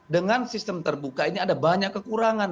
dengan sistem terbuka ini ada banyak kekurangan